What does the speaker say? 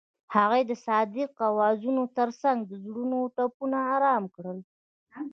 هغې د صادق اوازونو ترڅنګ د زړونو ټپونه آرام کړل.